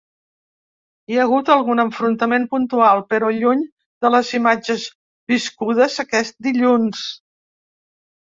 Hi ha hagut algun enfrontament puntual, però lluny de les imatges viscudes aquest dilluns.